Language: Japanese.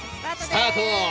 スタート！